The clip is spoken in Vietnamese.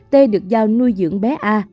t được giao nuôi dưỡng bé a